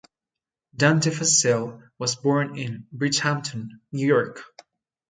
Dante Fascell was born in Bridgehampton, New York.